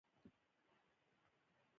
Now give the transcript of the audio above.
دا د غوره انسانیت لارښوونه ده.